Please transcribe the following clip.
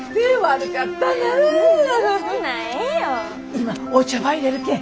今お茶ばいれるけん